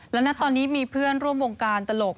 และณตอนนี้มีเพื่อนร่วมวงการตลก